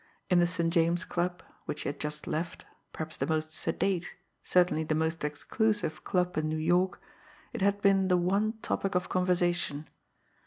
In the St. James Club, which he had just left, perhaps the most sedate, certainly the most exclusive club in New York, it had been the one topic of conversation.